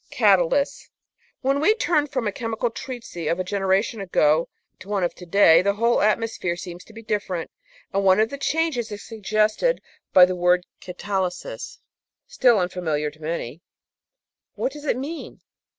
Catalysts When we turn from a chemical treatise of a generation ago to one of to day the whole atmosphere seems to be different, and one of the changes is suggested by the word catalysis, still un familiar to many. What does it mean?